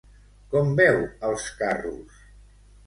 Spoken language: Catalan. Com veu els carros?